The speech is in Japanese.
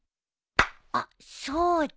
あっそうだ。